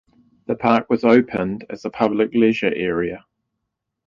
The park was opened as a public leisure area.